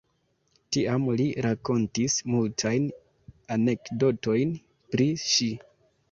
Tiam li rakontis multajn anekdotojn pri ŝi.